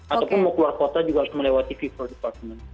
ataupun mau keluar kota juga harus melewati vival department